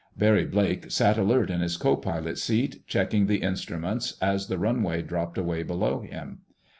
Barry Blake sat alert in his co pilot's seat, checking the instruments, as the runway dropped away below him.